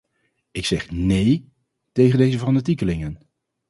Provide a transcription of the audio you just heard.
Ik zeg "nee” tegen deze fanatiekelingen.